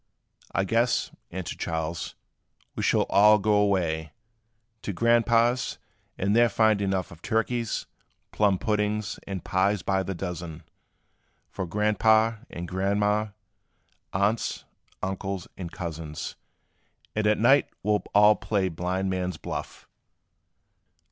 "I guess," answered Charles, "we shall all go away To Grandpa's; and there find enough Of turkeys, plum puddings, and pies by the dozens, For Grandpa' and Grandma', aunts, uncles and cousins; And at night we 'll all play blind man's buff.